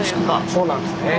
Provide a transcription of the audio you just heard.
そうなんですね